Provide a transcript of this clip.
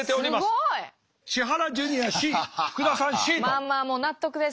まあまあもう納得です。